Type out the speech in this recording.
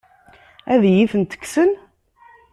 Ad iyi-tent-kksen?